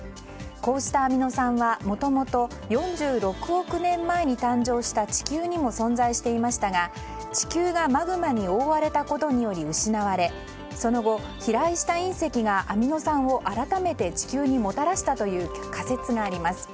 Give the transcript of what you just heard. こうしたアミノ酸は、もともと４６億年前に誕生した地球にも存在していましたが地球が、マグマに覆われたことにより失われその後、飛来した隕石がアミノ酸を改めて地球にもたらしたという仮説があります。